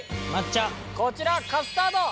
こちらカスタード。